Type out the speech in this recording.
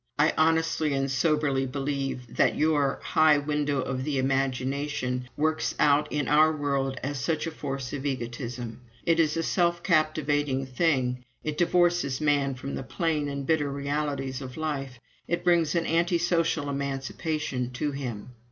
I honestly and soberly believe that your "high window of the imagination" works out in our world as such a force for egotism; it is a self captivating thing, it divorces man from the plain and bitter realities of life, it brings an anti social emancipation to him.